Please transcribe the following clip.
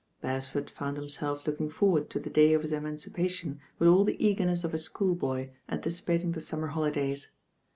Beresford found himself lookii> forward to the day of his emancipation with aU the eagerness of a schoolboy anticipating the summer holidays.